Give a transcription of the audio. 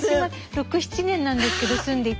６７年なんですけど住んでいた。